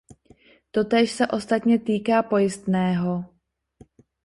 Totéž se ostatně týká pojistného.